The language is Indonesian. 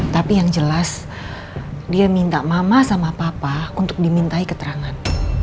tapi yang jelas dia minta mama sama papa untuk dimintai keterangan